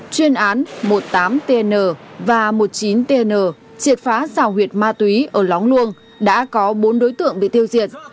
chuyên án một mươi tám tn và một mươi chín tn triệt phá rào huyệt ma túy ở lóng luông đã có bốn đối tượng bị tiêu diệt